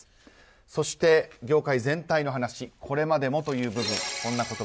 そして、業界全体の話これまでもという話。